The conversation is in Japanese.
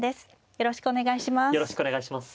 よろしくお願いします。